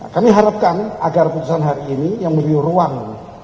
kami harapkan agar putusan hari ini yang menjadi ruang